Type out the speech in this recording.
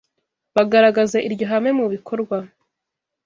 bagaragaza iryo hame mu bikorwa